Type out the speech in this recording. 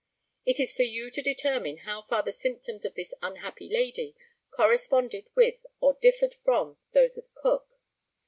It is for you to determine how far the symptoms of this unhappy lady corresponded with or differed from those of Cook.